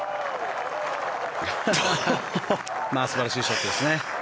素晴らしいショットでしたね。